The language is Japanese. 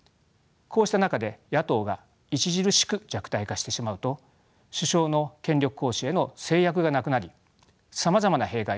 こうした中で野党が著しく弱体化してしまうと首相の権力行使への制約がなくなりさまざまな弊害が生じかねません。